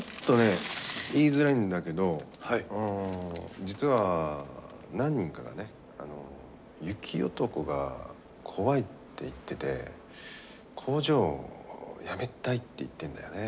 実は何人かがね雪男が怖いって言ってて工場辞めたいって言ってんだよね。